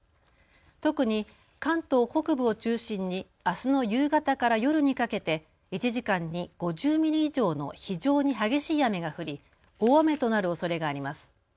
特に関東北部を中心にあすの夕方から夜にかけて１時間に５０ミリ以上の非常に激しい雨が降り大雨となるおそれがあります。